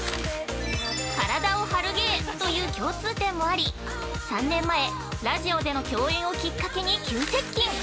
体を張る芸という共通点もあり３年前ラジオでの共演をきっかけに急接近。